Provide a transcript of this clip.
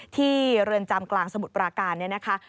เรือนจำกลางสมุทรปราการเนี่ยนะคะ